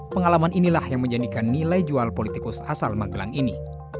pengalaman inilah yang menjadikan nilai jual politikus asal magelang ini